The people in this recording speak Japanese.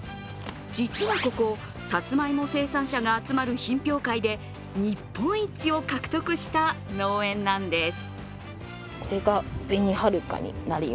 実はここ、さつまいも生産者が集まる品評会で、日本一を獲得した農園なんです。